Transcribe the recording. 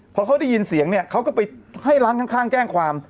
พอเขาได้ยินเสียงเนี่ยเขาก็ไปให้ร้านข้างแจ้งความ